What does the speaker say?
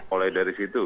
oleh dari situ